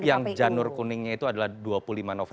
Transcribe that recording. yang janur kuningnya itu adalah dua puluh lima november